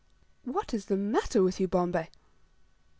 "What is the matter with you, Bombay?"